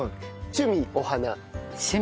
趣味お花。